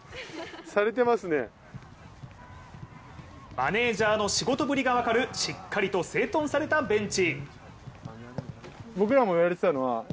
マネージャーの仕事ぶりが分かるしっかりと整頓されたベンチ。